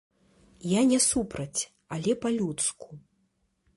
Я не супраць, але па-людску.